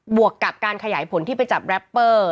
วกกับการขยายผลที่ไปจับแรปเปอร์